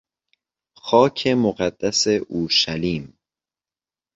خاک مقدس اورشلیم